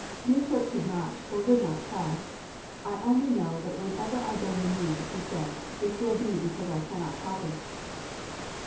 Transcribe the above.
Beauclerc could not or would not tell "I only know that whenever I bend the knee," said he, "it will be because I cannot help it!"